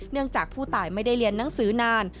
จากผู้ตายไม่ได้เรียนหนังสือนาน